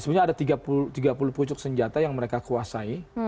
sebenarnya ada tiga puluh pucuk senjata yang mereka kuasai